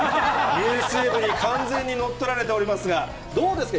ｎｅｗｓｅｖｅｒｙ．完全に乗っ取られておりますが、どうですか。